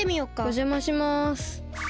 おじゃまします。